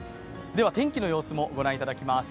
天気の様子もご覧いただきます。